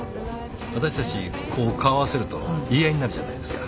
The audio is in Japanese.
私たち顔合わせると言い合いになるじゃないですか。